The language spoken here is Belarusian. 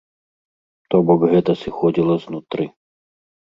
То бок гэта сыходзіла знутры.